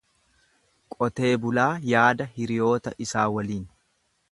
Qotee bulaa yaada hiriyoota isaa waliin.